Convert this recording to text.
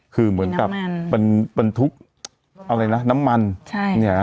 คือเหมือนกับน้ำมันปันพลอะไรนะน้ำมันใช่เนี้ยครับ